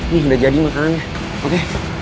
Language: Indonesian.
nih udah jadi makanannya oke